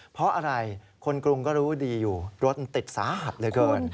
เพราะอะไรคนกรุงก็รู้ดีอยู่รถมันติดสาหัสเหลือเกิน